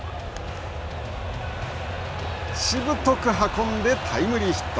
しぶとく運んでタイムリーヒット。